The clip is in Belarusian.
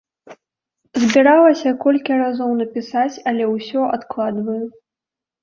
Збіралася колькі разоў напісаць, але ўсё адкладваю.